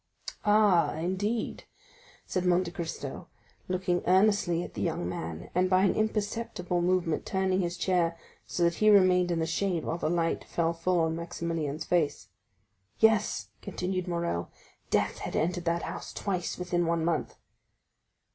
"Ah, indeed?" said Monte Cristo, looking earnestly at the young man, and by an imperceptible movement turning his chair, so that he remained in the shade while the light fell full on Maximilian's face. "Yes," continued Morrel, "death had entered that house twice within one month."